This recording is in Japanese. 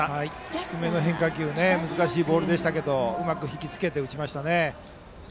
低めの変化球難しいボールでしたがうまく引きつけて打ちましたね。